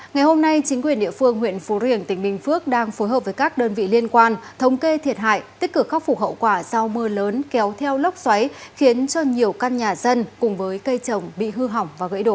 ngày hôm nay chính quyền địa phương huyện phú riềng tỉnh bình phước đang phối hợp với các đơn vị liên quan thống kê thiệt hại tích cực khắc phục hậu quả sau mưa lớn kéo theo lốc xoáy khiến cho nhiều căn nhà dân cùng với cây trồng bị hư hỏng và gãy đổ